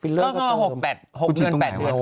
ฟิลเลอร์ก็ต้องเงา๖๘เท่าไหร่